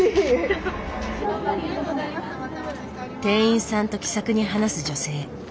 店員さんと気さくに話す女性。